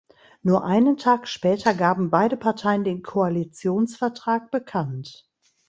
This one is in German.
Nur einen Tag später gaben beide Parteien den Koalitionsvertrag bekannt.